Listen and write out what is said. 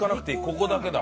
ここだけだ。